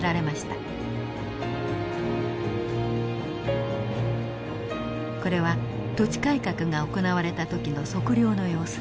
これは土地改革が行われた時の測量の様子です。